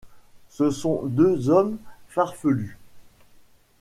Ce sont deux hommes farfelus.